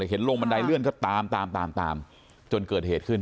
เห็นลงบันไดเลื่อนก็ตามตามจนเกิดเหตุขึ้น